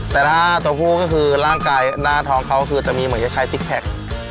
แต่ถ้าตัวผู้ก็คือร่างกายหน้าท้องเขาคือจะมีเหมือนคล้ายซิกแพค